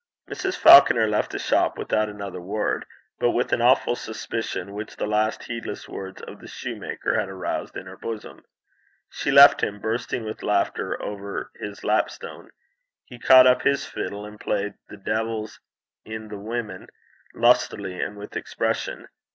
Mrs. Falconer left the shop without another word, but with an awful suspicion which the last heedless words of the shoemaker had aroused in her bosom. She left him bursting with laughter over his lapstone. He caught up his fiddle and played The De'il's i' the Women lustily and with expression.